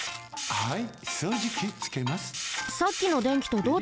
はい。